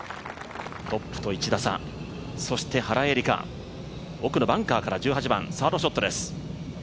トップと１打差、そして原英莉花、奥のバンカーから１８番、サードショットです。